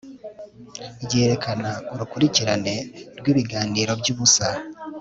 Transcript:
ryerekana urukurikirane rwibiganiro byubusa